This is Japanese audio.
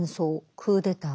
クーデター